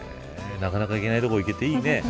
なかなか行けない所行けていいね。